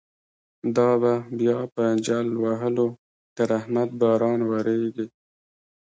دابه بیا په جل وهلو، درحمت باران وریږی